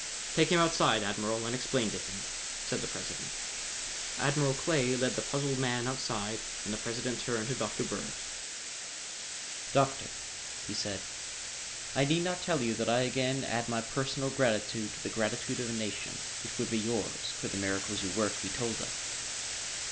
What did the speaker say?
"Take him outside, Admiral, and explain to him," said the President. Admiral Clay led the puzzled man outside and the President turned to Dr. Bird. "Doctor," he said, "I need not tell you that I again add my personal gratitude to the gratitude of a nation which would be yours, could the miracles you work be told off.